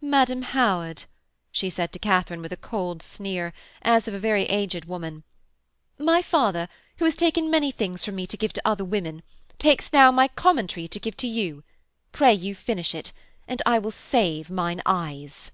'Madam Howard,' she said to Katharine with a cold sneer, as of a very aged woman, 'my father, who has taken many things from me to give to other women, takes now my commentary to give to you. Pray you finish it, and I will save mine eyes.'